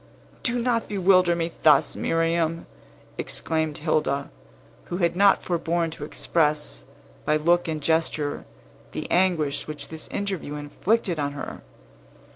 "Do not bewilder me thus, Miriam!" exclaimed Hilda, who had not forborne to express, by look and gesture, the anguish which this interview inflicted on her.